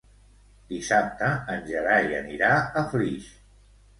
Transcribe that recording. Dissabte en Gerai anirà a Flix.